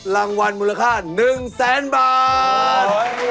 รางวัลมูลค่า๑๐๐๐๐๐บาท